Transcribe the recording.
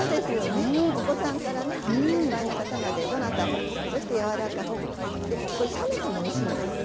お子さんから年配の方までそしてやわらかく冷めてもおいしいです。